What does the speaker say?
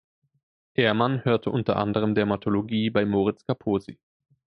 Ehrmann hörte unter anderem Dermatologie bei Moritz Kaposi.